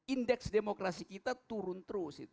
indeks demokrasi kita turun terus